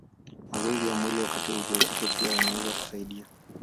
Mazoezi ya mwili wakati wa ujauzito pia yanaweza kusaidia.